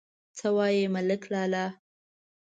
_څه وايي، ملک لالا؟